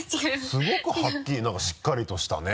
すごくはっきりなんかしっかりとしたね。